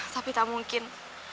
tapi tak mungkin